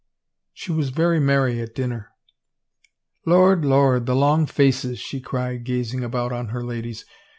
She was very merry at dinner. " Lord, Lord, the long faces," she cried, gazing about on her ladies.